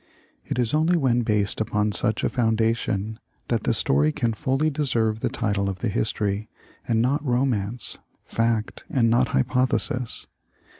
It is only when based upon such a foundation that the story can fully deserve the title of history, and not romance, fact and not hypo thesis.